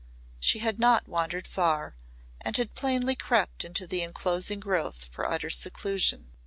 She had not wandered far and had plainly crept into the enclosing growth for utter seclusion.